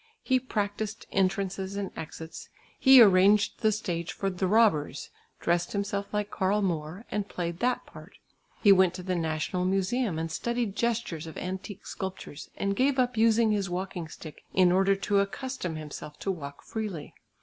He practised entrances and exits; he arranged the stage for "The Robbers," dressed himself like Karl Moor, and played that part. He went to the National Museum and studied gestures of antique sculptures and gave up using his walking stick in order to accustom himself to walk freely.